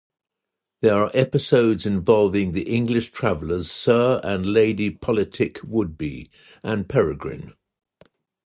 There are episodes involving the English travellers Sir and Lady Politic Would-Be and Peregrine.